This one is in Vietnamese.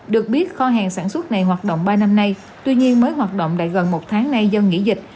được biết kho hàng sản xuất này hoạt động ba năm nay tuy nhiên mới hoạt động lại gần một tháng nay do nghỉ dịch